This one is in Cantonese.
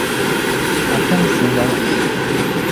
客中少有人來，